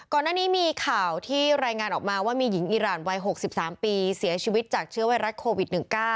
ก่อนหน้านี้มีข่าวที่รายงานออกมาว่ามีหญิงอิราณวัย๖๓ปีเสียชีวิตจากเชื้อไวรัสโควิด๑๙